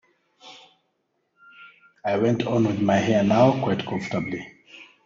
I went on with my hair now, quite comfortably.